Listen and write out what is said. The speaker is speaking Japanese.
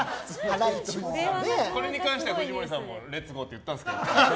これに関しては藤森さんもレッツゴーって言ったんですか。